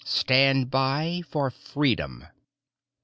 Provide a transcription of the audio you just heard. Stand by for freedom!